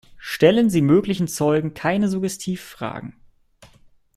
Stellen Sie möglichen Zeugen keine Suggestivfragen.